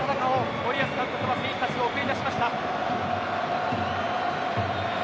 森保監督は選手たちをそう送り出しました。